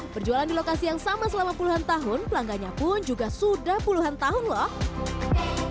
berjualan di lokasi yang sama selama puluhan tahun pelanggannya pun juga sudah puluhan tahun loh